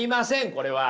これは。